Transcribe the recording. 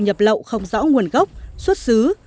nhập lậu không rõ nguồn gốc xuất xứ